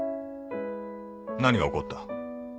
何が起こった？